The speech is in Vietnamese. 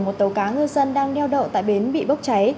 một tàu cá ngư dân đang neo đậu tại bến bị bốc cháy